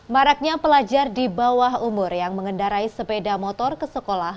maraknya pelajar di bawah umur yang mengendarai sepeda motor ke sekolah